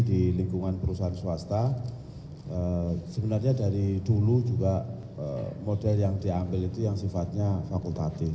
di lingkungan perusahaan swasta sebenarnya dari dulu juga model yang diambil itu yang sifatnya fakultatif